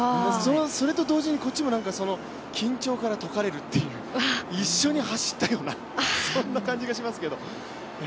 それと同時にこっちも緊張から解かれるという、一緒に走ったような、そんな感じがしますけど。